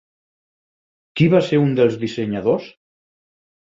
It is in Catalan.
Qui va ser un dels dissenyadors?